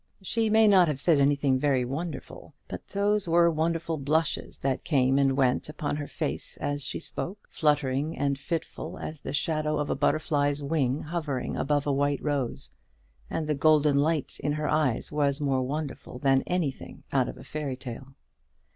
She may not have said anything very wonderful; but those were wonderful blushes that came and went upon her pale face as she spoke, fluttering and fitful as the shadow of a butterfly's wing hovering above a white rose; and the golden light in her eyes was more wonderful than anything out of a fairy tale.